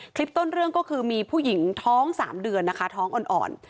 คลิปต้นเรื่องก็คือมีผู้หญิงท้อง๓เดือนนะคะท้องอ่อน